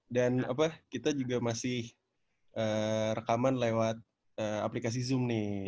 dan kita juga masih rekaman lewat aplikasi zoom nih